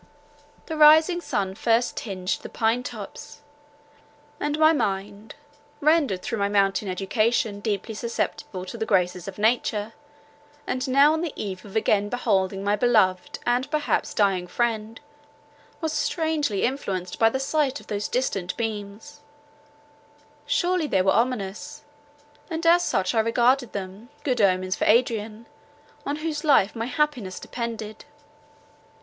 The rising sun first tinged the pine tops; and my mind, rendered through my mountain education deeply susceptible of the graces of nature, and now on the eve of again beholding my beloved and perhaps dying friend, was strangely influenced by the sight of those distant beams: surely they were ominous, and as such I regarded them, good omens for Adrian, on whose life my happiness depended.